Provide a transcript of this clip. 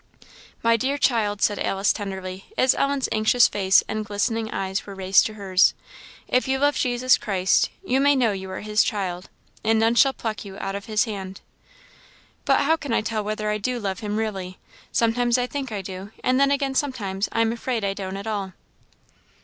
"My dear child," said Alice, tenderly, as Ellen's anxious face and glistening eyes were raised to hers, "if you love Jesus Christ, you may know you are his child, and none shall pluck you out of his hand." "But how can I tell whether I do love him really? Sometimes I think I do, and then again sometimes I am afraid I don't at all."